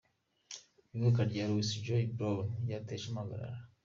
Ivuka rya Louise Joy Brown ryateje impagarara.